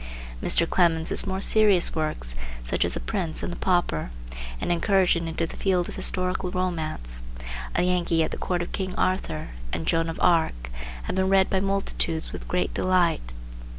Mr. Clemens's more serious works, such as "The Prince and the Pauper," an incursion into the field of historical romance; "A Yankee at the Court of King Arthur," and "Joan of Arc," have been read by multitudes with great delight.